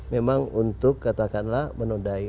memang untuk katakanlah menundai